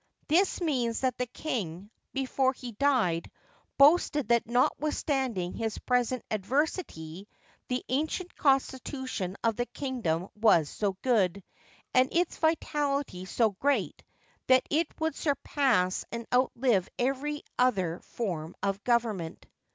—This means that the King, 'before he died,' boasted that notwithstanding his present adversity, the ancient constitution of the kingdom was so good, and its vitality so great, that it would surpass and outlive every other form of government.